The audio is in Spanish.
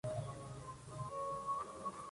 Las bombas no perseguían un objetivo militar.